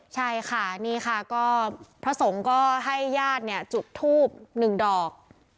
ใช่ค่ะนี่ค่ะก็พระสงฆ์ก็ให้ญาติเนี่ยจุดทูบหนึ่งดอก